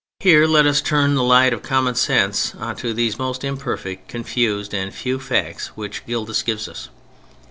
Here let us turn the light of common sense on to these most imperfect, confused and few facts which Gildas gives us.